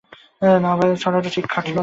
না ভাই, ছড়াটা ঠিক খাটিল না।